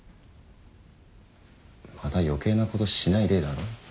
また「余計なことしないで」だろ？